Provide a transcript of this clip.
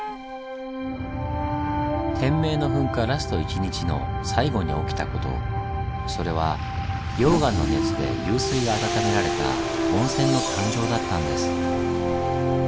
天明の噴火ラスト１日の最後に起きたことそれは溶岩の熱で湧水が温められた温泉の誕生だったんです。